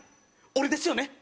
俺ですよね？」